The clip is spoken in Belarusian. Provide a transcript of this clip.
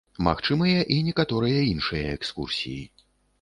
Магчымыя і некаторыя іншыя экскурсіі.